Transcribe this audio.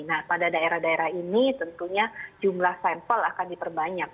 nah pada daerah daerah ini tentunya jumlah sampel akan diperbanyak